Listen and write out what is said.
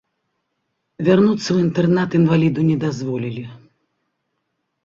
Вярнуцца ў інтэрнат інваліду не дазволілі.